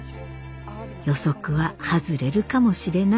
予測は外れるかもしれない。